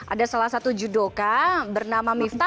ada salah satu judoka bernama miftah